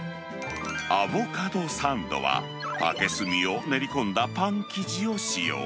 アボカドサンドは、竹炭を練り込んだパン生地を使用。